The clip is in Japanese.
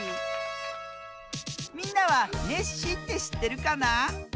みんなはネッシーってしってるかな？